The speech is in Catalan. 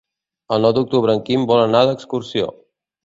El nou d'octubre en Quim vol anar d'excursió.